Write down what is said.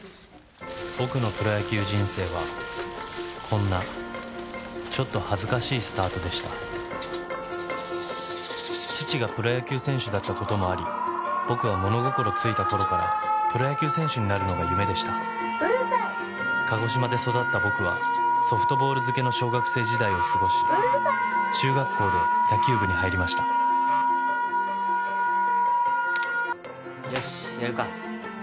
僕のプロ野球人生はこんなちょっと恥ずかしいスタートでした父がプロ野球選手だったこともあり僕は物心ついた頃からプロ野球選手になるのが夢でした鹿児島で育った僕はソフトボール漬けの小学生時代を過ごし中学校で野球部に入りましたよしやるか